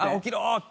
って？